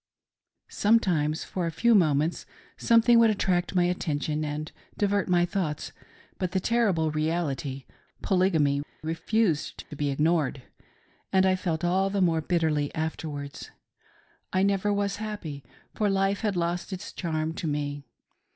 Sometimes for a few moments something would attract my attention and divert my thoughts ; but the terrible reality — Polygamy, refused to be ignored, and I felt all the more bitterly afterwards. I never was happy, for life had lost its charm to me.